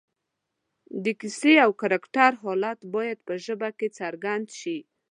د کیسې او کرکټر حالت باید په ژبه کې څرګند شي